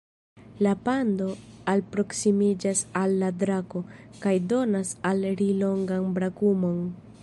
La pando alproksimiĝas al la drako, kaj donas al ri longan brakumon.